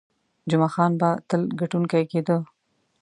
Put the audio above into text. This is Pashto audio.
جمعه خان به تل ګټونکی کېده.